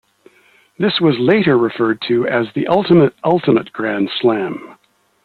This was later referred to as the ultimate, ultimate grand slam.